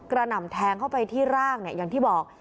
หน่ำแทงเข้าไปที่ร่างเนี่ยอย่างที่บอก